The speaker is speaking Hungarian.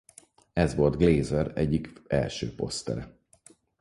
Ez volt Glaser egyik első posztere.